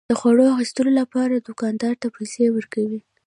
د خوړو اخیستلو لپاره دوکاندار ته پيسى ورکوي.